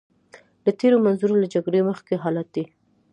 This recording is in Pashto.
له تېر منظور له جګړې مخکې حالت دی.